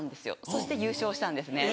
そして優勝したんですね。